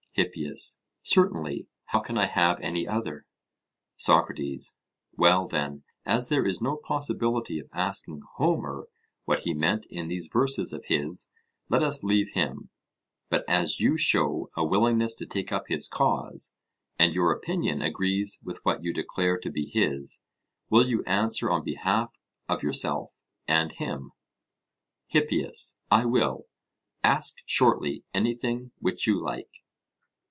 HIPPIAS: Certainly; how can I have any other? SOCRATES: Well, then, as there is no possibility of asking Homer what he meant in these verses of his, let us leave him; but as you show a willingness to take up his cause, and your opinion agrees with what you declare to be his, will you answer on behalf of yourself and him? HIPPIAS: I will; ask shortly anything which you like.